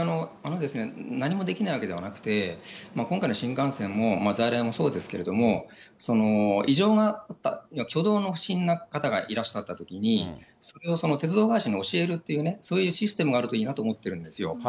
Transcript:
何もできないわけではなくて、今回の新幹線も在来もそうですけれども、異常があった、挙動の不審な方がいらっしゃったときに、鉄道会社に教えるっていうね、そういうシステムがあるといいなと思ってるんですよね。